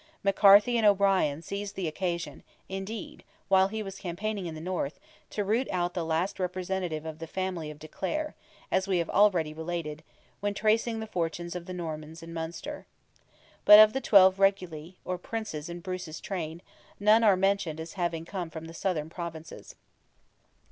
McCarthy and O'Brien seized the occasion, indeed, while he was campaigning in the North, to root out the last representative of the family of de Clare, as we have already related, when tracing the fortunes of the Normans in Munster. But of the twelve reguli, or Princes in Bruce's train, none are mentioned as having come from the Southern provinces.